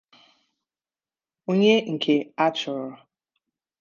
onye nke a chọrọ